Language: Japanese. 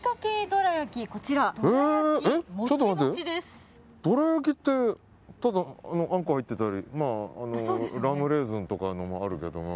どら焼きってあんこ入ってたりラムレーズンのもあるけども。